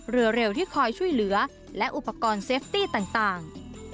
เรือเร็วที่คอยช่วยเหลือและอุปกรณ์เซฟตี้ต่าง